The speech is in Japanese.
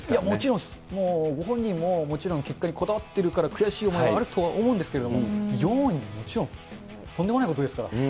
もちろんご本人も、もちろん結果にこだわっているから、悔しい思いはあるとは思うんですけれども、４位ももちろんとんでもないことですから。